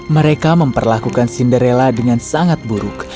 mereka memperlakukan cinderella dengan sangat buruk